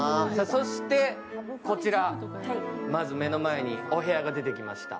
そして、こちら、まず目の前にお部屋が出てきました。